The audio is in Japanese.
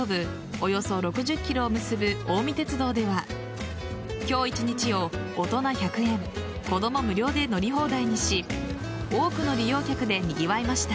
およそ６０ｋｍを結ぶ近江鉄道では今日１日を大人１００円子供無料で乗り放題にし多くの利用客でにぎわいました。